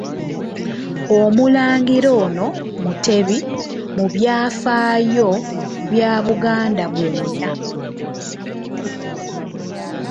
Omulangira ono Mutebi mu byafaayo bya Buganda byonna.